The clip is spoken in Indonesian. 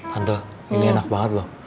tante ini enak banget loh